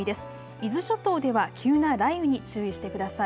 伊豆諸島では急な雷雨に注意してください。